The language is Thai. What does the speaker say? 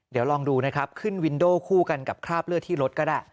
เดี๋ยวลองดูนะครับขึ้นวินโดคู่กันกับคราบเลือดที่รถก็ได้